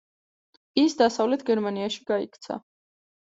ის დასავლეთ გერმანიაში გაიქცა.